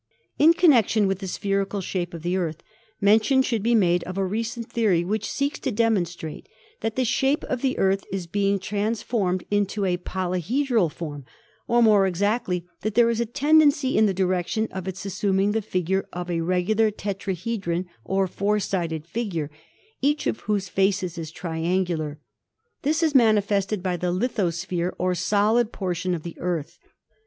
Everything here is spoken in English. In connection with the spheroidal shape of the Earth, mention should be made of a recent theory which seeks to demonstrate that the shape of the Earth is being trans formed into a polyhedral form, or more exactly, that there is a tendency in the direction of its assuming the figure of a regular tetrahedron, or four sided figure, each of whose faces is triangular. This is manifested by the lithosphere or solid portion of the Earth.